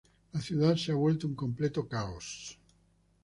La ciudad se ha vuelto un completo caos.